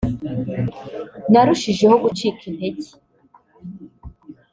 narushijeho gucika intege